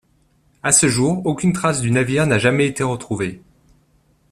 À ce jour, aucune trace du navire n'a jamais été retrouvée.